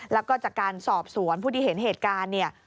แล้วก็จากการสอบสวนผู้ที่เห็นเหตุการณ์เนี่ย